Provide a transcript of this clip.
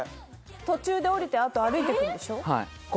途中で降りてあと歩いていくんでしょ？